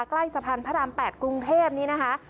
ใกล้สะพานพระราม๘กรุงเทพนี้นะคะ